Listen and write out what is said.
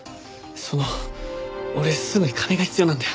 その俺すぐに金が必要なんだよ。